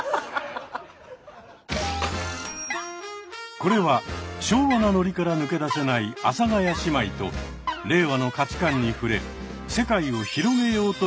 これは昭和なノリから抜け出せない阿佐ヶ谷姉妹と令和の価値観に触れ世界を広げようという番組です。